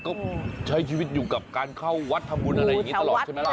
ก็ใช้ชีวิตอยู่กับการเข้าวัดทำบุญอะไรอย่างนี้ตลอดใช่ไหมล่ะ